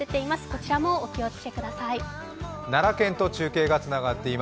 こちらもお気をつけください。